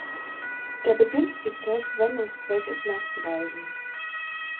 Der begünstigte Verwendungszweck ist nachzuweisen.